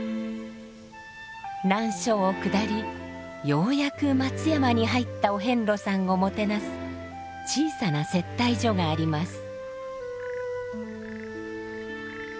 ようやく松山に入ったお遍路さんをもてなす小さな接待所があります。